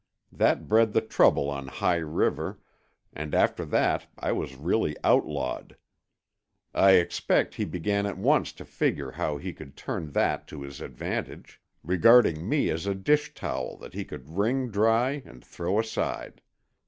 That bred the trouble on High River, and after that I was really outlawed. I expect he began at once to figure how he could turn that to his advantage—regarding me as a dishtowel that he could wring dry and throw aside.